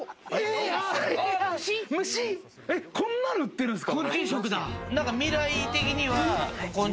こんなの売ってるんですか？